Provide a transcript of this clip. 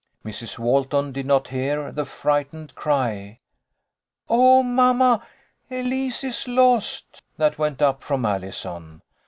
Mrs. Walton did not hear the frightened cry, " Oh, mamma ! Elise is lost !" that went up from Allison.